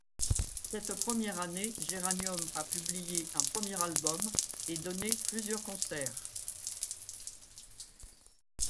Cette première année, Géranium a publié un premier album et donné plusieurs concerts.